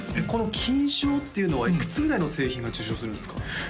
この金賞っていうのはいくつぐらいの製品が受賞するんですか？